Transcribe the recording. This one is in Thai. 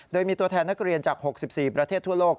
โดยมีตัวแทนนักเรียนจาก๖๔ประเทศทั่วโลก